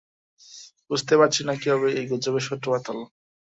বুঝতে পারছি না কিভাবে এই গুজবের সূত্রপাত হলো।